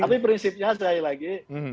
tapi prinsipnya sekali lagi